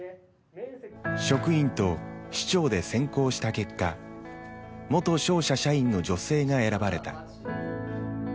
職員と市長で選考した結果元商社社員の女性が選ばれた。